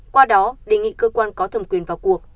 qua đó đề nghị cơ quan có thẩm quyền vào cuộc